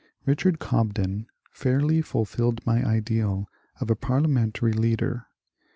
Richard Cobden fairly fulfilled my ideal of a parliamentary leader.